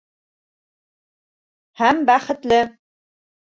Һәм бәхетле.